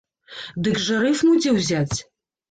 Дык жа рыфму дзе ўзяць?